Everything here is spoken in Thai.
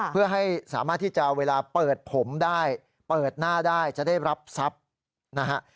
เพื่อให้สามารถที่จะเวลาเปิดผมได้เปิดหน้าได้จะได้รับทรัพย์นะฮะ